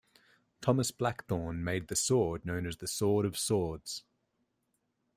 Thomas Blackthorne made the sword known as "The Sword of Swords".